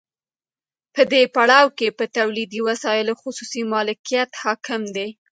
په دې پړاو کې په تولیدي وسایلو خصوصي مالکیت حاکم دی